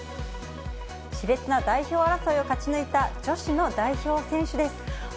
しれつな代表争いを勝ち抜いた女子の代表選手です。